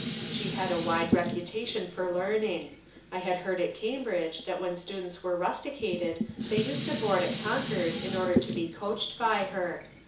She had a wide reputation for learning. I had heard at Cam bridge that when students were rusticated they used to board at Concord in order to be coached by her.